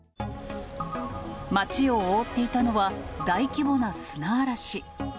街を覆っていたのは、大規模な砂嵐。